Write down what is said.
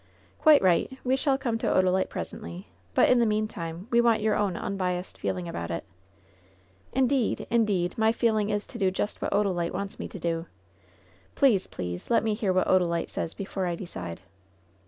"Quite right ; we shall come to Odalite presently ; but, in the meantime, we want your own unbiased feeling about it." "Indeed, indeed, my feeling is to do just what Oda lite wants me to do ! Please, please, let me hear what Odalite says before I decide."